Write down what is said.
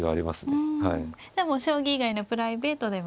ではもう将棋以外のプライベートでも。